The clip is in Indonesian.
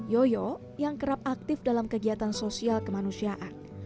yoyo yang kerap aktif dalam kegiatan sosial kemanusiaan